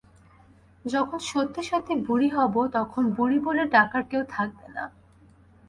যখন সত্যি সত্যি বুড়ি হব তখন বুড়ি বলে ডাকার কেউ থাকবে না।